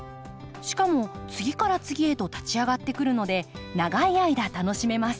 しかも次から次へと立ち上がってくるので長い間楽しめます。